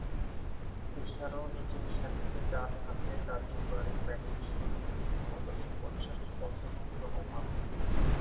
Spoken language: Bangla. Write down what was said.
এছাড়াও, নিচেরসারিতে ডানহাতে কার্যকরী ব্যাটিংশৈলী প্রদর্শন করেছেন ফজল-উর-রেহমান।